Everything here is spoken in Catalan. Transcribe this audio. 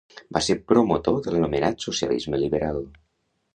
Va ser promotor de l'anomenat socialisme liberal.